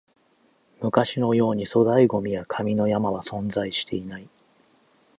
昔のように粗大ゴミや紙の山は存在していない